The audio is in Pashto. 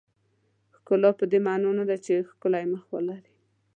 ښکلا پدې معنا نه ده چې ښکلی مخ ولرئ.